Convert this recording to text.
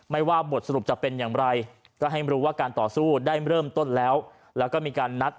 ว่าบทสรุปจะเป็นอย่างไรก็ให้รู้ว่าการต่อสู้ได้เริ่มต้นแล้วแล้วก็มีการนัด